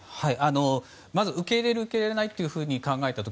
まず受け入れる受け入れないと考えたとき